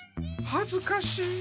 はずかしい！